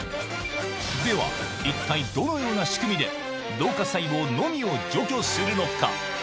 では、一体どのような仕組みで、老化細胞のみを除去するのか。